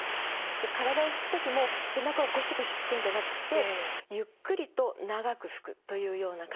で体を拭くときも背中をゴシゴシ拭くんじゃなくってゆっくりと長く拭くというような感じですね。